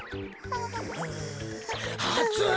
あつい！